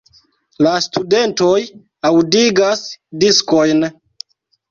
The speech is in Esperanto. La studentoj aŭdigas diskojn.